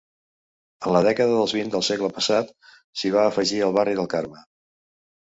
En la dècada dels vint del segle passat s'hi va afegir el barri del Carme.